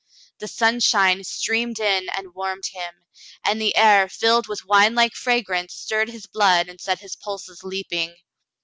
The sunshine streamed in and warmed him, and the air, filled with winelike fragrance, stirred his blood and set his pulses leaping.